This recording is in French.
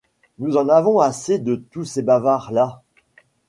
Nous en avons assez de tous ces bavards-là.